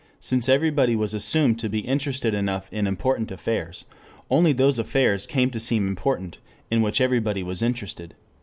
"Since everybody was assumed to be interested enough in important affairs, only those affairs came to seem important in which everybody was interested."